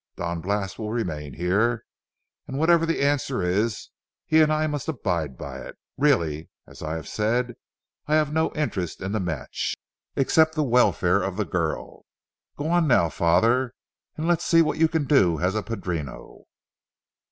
Don Blas will remain here, and whatever the answer is, he and I must abide by it. Really, as I have said, I have no interest in the match, except the welfare of the girl. Go on now, Father, and let's see what you can do as a padrino."